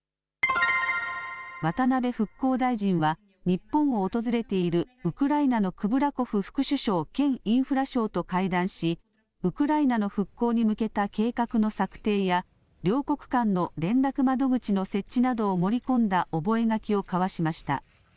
渡辺復興大臣は日本を訪れているウクライナのクブラコフ副首相兼インフラ相と会談しウクライナの復興に向けた計画の策定や両国間の連絡窓口の設置などを盛り込んだ覚書を交わしました。